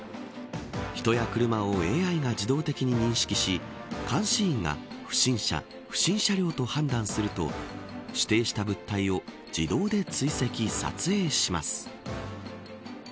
人や車をＡＩが自動的に認識し監視員が不審者、不審車両と判断すると指定した物体を自動で追跡、撮影します。